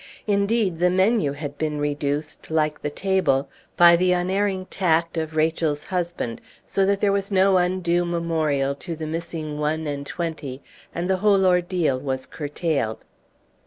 Indeed, the menu had been reduced, like the table, by the unerring tact of Rachel's husband, so that there was no undue memorial to the missing one and twenty, and the whole ordeal was curtailed.